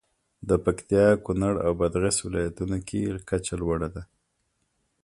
د پکتیا، کونړ او بادغیس ولایتونو کې کچه لوړه ده.